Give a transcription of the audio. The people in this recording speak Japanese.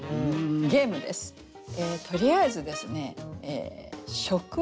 とりあえずですね